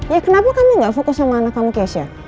ya kenapa kamu nggak fokus sama anak kamu keisha